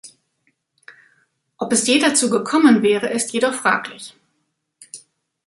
Ob es je dazu gekommen wäre ist jedoch fraglich.